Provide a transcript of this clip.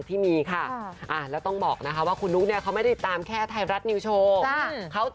ไปฟังคนนู้นเขาอวยเพื่อนกันหน่อยนะค่ะ